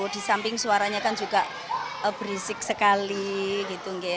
di samping suaranya kan juga berisik sekali